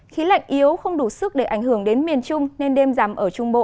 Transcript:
khí lạnh yếu không đủ sức để ảnh hưởng đến miền trung nên đêm giảm ở trung bộ